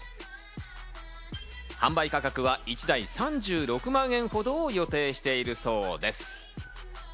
販売価格は１台３６万円ほどを予定しているそうです。